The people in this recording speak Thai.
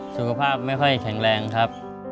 สุขภาพไม่ค่อยแข็งแรงครับ